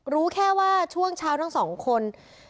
รู้แค่ว่าช่วงเช้าทั้งสองคน